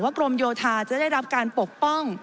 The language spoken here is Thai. กรมโยธาจะได้รับการปกป้อง